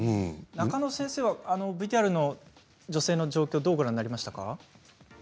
中野先生はＶＴＲの女性の状況、どうご覧になりましたか？